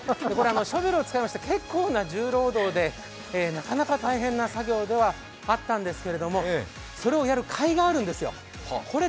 シャベルを使って結構な重労働でなかなか大変な作業ではあったんですけど、それをやるかいがあるんですよ。